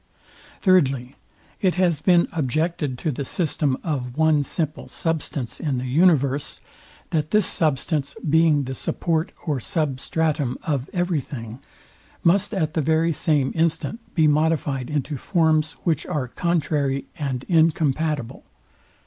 Thirdly, It has been objected to the system of one simple substance in the universe, that this substance being the support or substratum of every thing, must at the very same instant be modifyed into forms, which are contrary and incompatible.